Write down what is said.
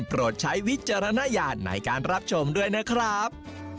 ใช้วิจารณญาณในการรับชมด้วยนะครับ